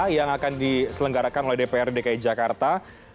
yang akan diselenggarakan oleh dpr dki jakarta